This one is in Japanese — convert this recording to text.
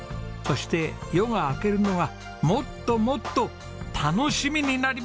そして夜が明けるのがもっともっと楽しみになりますように。